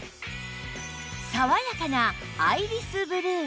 爽やかなアイリスブルー